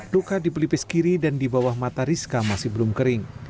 luka di pelipis kiri dan di bawah mata rizka masih belum kering